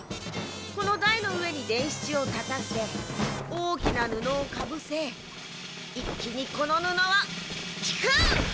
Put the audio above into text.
この台の上に伝七を立たせ大きな布をかぶせ一気にこの布を引く！